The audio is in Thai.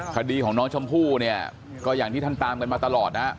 คดีของน้องชมพู่เนี่ยก็อย่างที่ท่านตามกันมาตลอดนะฮะ